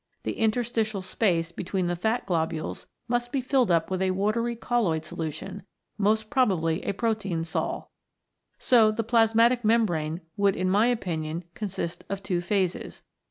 The interstitial space between the fat globules must be filled up with a watery colloid solution, most probably a protein 44 THE PROTOPLASMATIC MEMBRANE sol. So the plasmatic membrane would in my opinion consist of two phases.